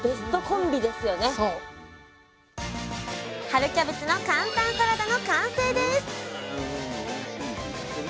「春キャベツの簡単サラダ」の完成です！